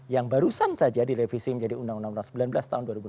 yang barusan saja direvisi menjadi undang undang sembilan belas tahun dua ribu enam belas